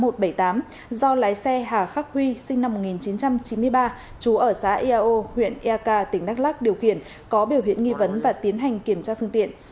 do lái xe hà khắc huy sinh năm một nghìn chín trăm chín mươi ba chú ở xã iao huyện eak tỉnh đắk lắc điều khiển có biểu hiện nghi vấn và tiến hành kiểm tra phương tiện